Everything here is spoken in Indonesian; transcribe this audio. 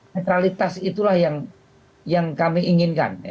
netralitas itulah yang kami inginkan